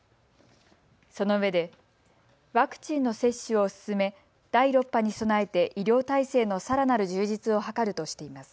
そのうえでワクチンの接種を進め第６波に備えて医療体制のさらなる充実を図るとしています。